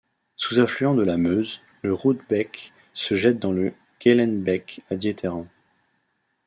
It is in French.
Sous-affluent de la Meuse, le Roode Beek se jette dans le Geleenbeek à Dieteren.